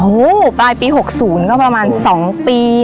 โอ้โหปลายปี๖๐ก็ประมาณ๒ปี